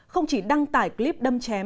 không chỉ đăng tải clip đâm chém